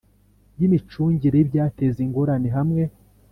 y imicungire y ibyateza ingorane hamwe